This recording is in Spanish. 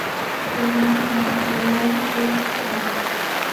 Según "Macaulay et al.